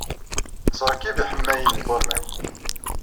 Nettṛekkib iḥemmayen n waman.